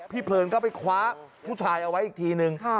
เพลินก็ไปคว้าผู้ชายเอาไว้อีกทีนึง